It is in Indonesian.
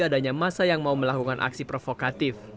adanya masa yang mau melakukan aksi provokatif